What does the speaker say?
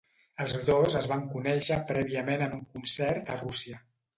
Els dos es van conéixer prèviament en un concert a Rússia.